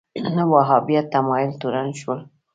وهابیت تمایل تورن شول